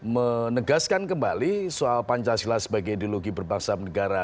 menegaskan kembali soal pancasila sebagai ideologi berbangsa negara